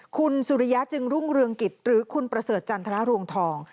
คุณสุริยะจึงรุ่งเรืองกิจหรือคุณประเสริฐจันทรรวงทอง